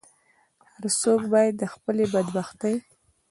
هر څوک باید د خپلې بدبختۍ.